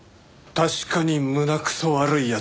確かに胸くそ悪い奴だな。